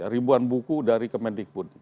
ribuan buku dari kemendikbud